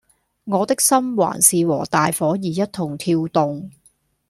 我的心還是和大夥兒一同跳動